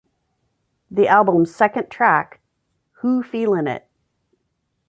The albums second track, Who Feelin' It?